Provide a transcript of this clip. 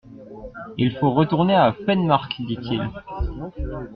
Il faut retourner à Penmarckh ! dit-il.